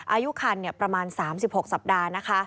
อายุคันประมาณ๓๖สัปดาห์นะคะ